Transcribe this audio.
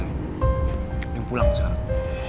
jangan pulang sekarang